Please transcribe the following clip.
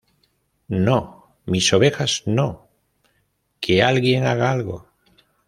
¡ No, mis ovejas no! ¡ que alguien haga algo!